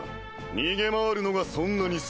逃げ回るのがそんなに好きか？